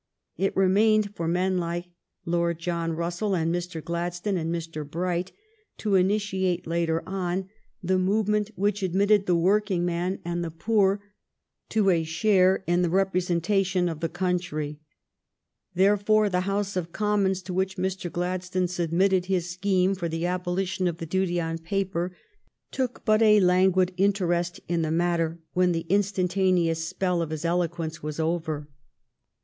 It remained for men like Lord John Russell and Mr. Gladstone and Mr. Bright to initiate later on the movement THE REPEAL OF THE TAXES ON EDUCATION 229 which admitted the workingmen and the poor to a share in the representation of the country. Therefore the House of Commons, to which Mr. Gladstone submitted his scheme for the abolition of the duty on paper, took but a languid interest in the matter when the instantaneous spell of his eloquence was over.